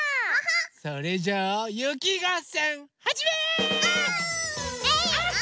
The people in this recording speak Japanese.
それじゃあゆきがっせんはじめ！